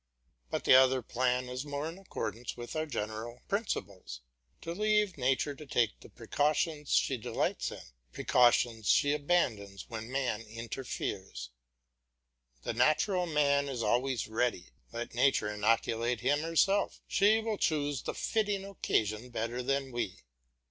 But the other plan is more in accordance with our general principles to leave nature to take the precautions she delights in, precautions she abandons whenever man interferes. The natural man is always ready; let nature inoculate him herself, she will choose the fitting occasion better than we.